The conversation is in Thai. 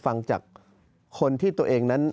ฟังจากคนที่ตัวเองนั้น